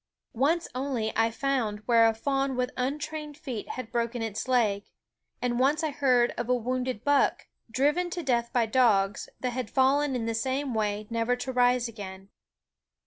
Once only I found where a fawn, with untrained feet, had broken its leg ; and once I heard of a wounded buck, driven to death by dogs, that had fallen in the same way, never to rise again.